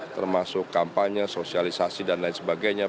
termasuk kampanye sosialisasi dan lain sebagainya